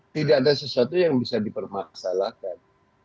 tidak ada sesuatu yang bisa dipermasalahkan